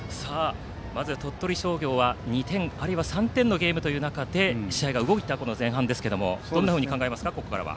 まず鳥取商業は２点、あるいは３点のゲームという中で試合が動いた前半でしたがここからはどんなふうに考えますか？